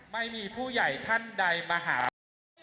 ไม่มีผู้ใหญ่ท่านใดมหาวิทยาลัย